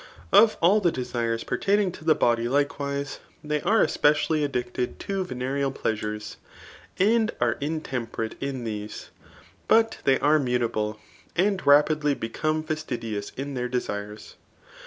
Of all the deques pertaining to the body likewise, they are espedaily ad* dieted to Yenereal pleasures, and are mtemperate in these; but they are mutaUe^ and rapidly become fasd dtous in their desires.